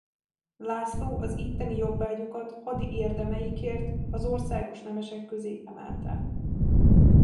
László az itteni jobbágyokat hadi érdemeikért az országos nemesek közé emelte.